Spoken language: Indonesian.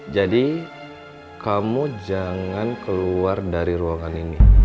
jadi kamu jangan keluar dari ruangan ini